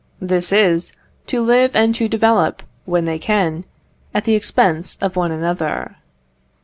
This is, to live and to develop, when they can, at the expense of one another.